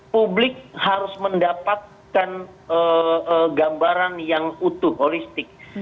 publik harus mendapatkan gambaran yang utuh holistik